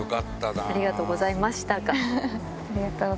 ありがとうございます。